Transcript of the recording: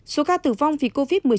số ca tử vong vì covid một mươi chín